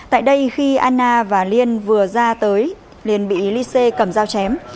tại đây khi anna và liên vừa ra tới liên bị ly cê cầm dao chém